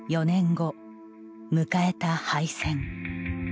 ４年後迎えた敗戦。